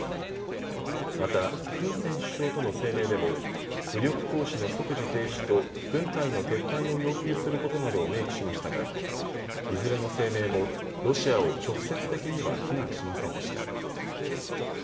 またフン・セン首相との声明でも武力行使の即時停止と軍隊の撤退を要求することなどを明記しましたがいずれの声明もロシアを直接的には非難しませんでした。